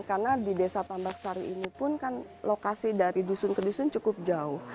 karena di desa tambak sari ini pun kan lokasi dari dusun ke dusun cukup jauh